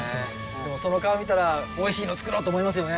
でもその顔見たらおいしいのつくろうって思いますよね。